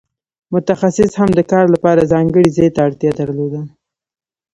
متخصص هم د کار لپاره ځانګړي ځای ته اړتیا درلوده.